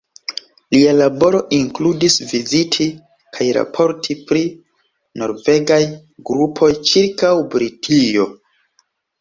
Lia laboro inkludis viziti kaj raporti pri norvegaj grupoj ĉirkaŭ Britio.